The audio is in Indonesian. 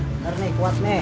bener nih kuat nih